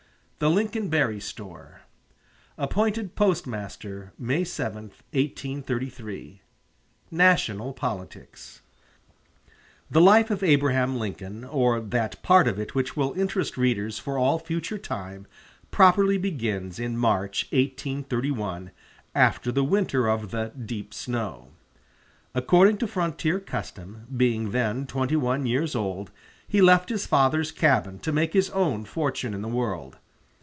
The Lincoln Berry Store Appointed Postmaster, May 7, 1833 National Politics The life of Abraham Lincoln, or that part of it which will interest readers for all future time, properly begins in March, 1831, after the winter of the "deep snow." According to frontier custom, being then twenty one years old, he left his father's cabin to make his own fortune in the world.